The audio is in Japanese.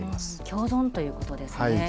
共存ということですね。